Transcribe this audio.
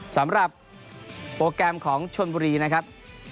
สำหรับโปรแกรมของชนบุรีนะครับ